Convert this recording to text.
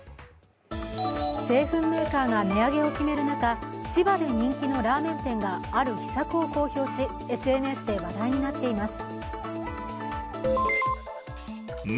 製粉メーカーが値上げを決める中、千葉で人気のラーメン店が、ある秘策を公表し、ＳＮＳで話題になっています。